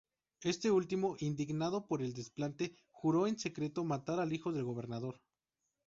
Este último, indignado por el desplante, juró en secreto matar al hijo del Gobernador.